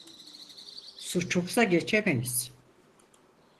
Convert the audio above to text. Su çoksa geçemeyiz…